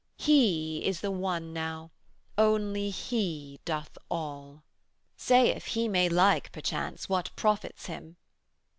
He is the One now: only He doth all. 'Saith, He may like, perchance, what profits Him.